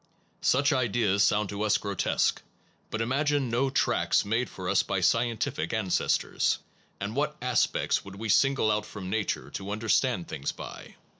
Such ideas sound to us grotesque, but im agine no tracks made for us by scientific an cestors, and what aspects would we single out from nature to understand things by?